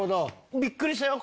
びっくりしたよ